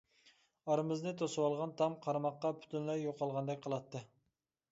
ئارىمىزنى توسۇۋالغان تام قارىماققا پۈتۈنلەي يوقالغاندەك قىلاتتى.